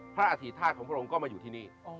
พระอาศิษฐาของพระองค์ก็มาอยู่ที่นี่